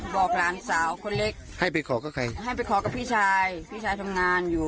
บอกหลานสาวคนเล็กให้ไปขอกับใครให้ไปขอกับพี่ชายพี่ชายทำงานอยู่